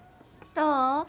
どう？